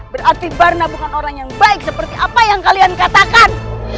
berarti barna bukan orang yang baik seperti apa yang kalian katakan